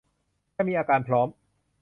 จะมีอาการพร้อม